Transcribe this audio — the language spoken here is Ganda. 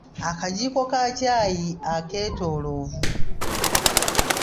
Akajiiko ka ccaayi akeetoolovu.